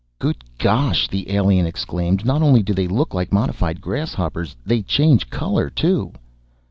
"Good gosh," the alien exclaimed. "Not only do they look like modified grasshoppers, they change color too!"